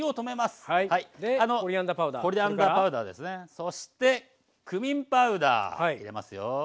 そしてクミンパウダー入れますよ。